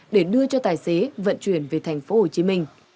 để đưa cho tài xế vận chuyển về tp hcm